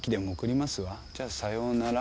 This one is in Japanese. じゃさようなら」